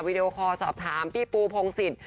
ดีโอคอลสอบถามพี่ปูพงศิษย์